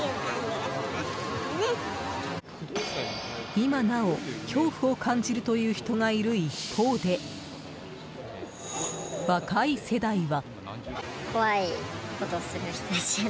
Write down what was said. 今なお恐怖を感じるという人がいる一方で、若い世代は。